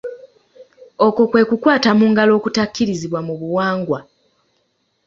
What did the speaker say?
Okwo kwe kukwata mu ngalo okutakkirizibwa mu buwangwa.